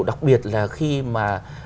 đặc biệt là khi mà